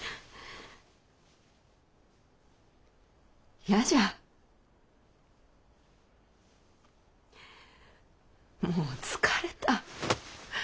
いやじゃもう疲れた。